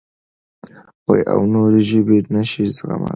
او نورې ژبې نه شي زغملی.